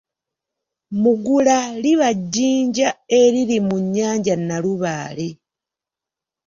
Mugula liba Jjinja eliri mu nnyanja Nnalubaale.